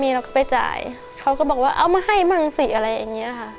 เราก็ไปจ่ายเขาก็บอกว่าเอามาให้มั่งสิอะไรอย่างเงี้ยค่ะ